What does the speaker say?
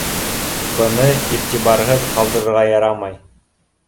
Быны иғтибарһыҙ ҡалдырырға ярамай.